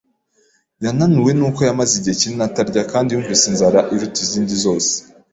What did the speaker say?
Yananuwe n’uko yamaze igihe kinini atarya kandi yumvise inzara iruta izindi zose.